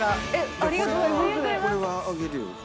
ありがとうございます。